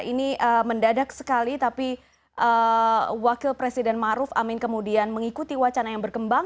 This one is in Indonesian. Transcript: ini mendadak sekali tapi wakil presiden maruf amin kemudian mengikuti wacana yang berkembang